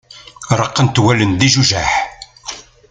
Reqqent wallen d ijujaḥ.